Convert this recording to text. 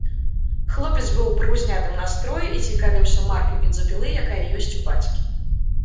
Хлопец быў у прыўзнятым настроі і цікавіўся маркай бензапілы, якая ёсць у бацькі.